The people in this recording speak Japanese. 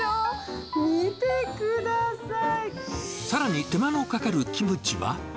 さらに、手間のかかるキムチは。